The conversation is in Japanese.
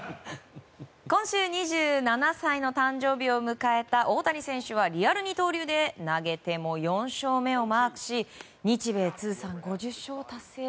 今週、２７歳の誕生日を迎えた大谷選手はリアル二刀流で投げても４勝目をマークし日米通算５０勝を達成。